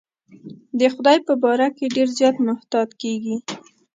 د خدای په باره کې ډېر زیات محتاط کېږي.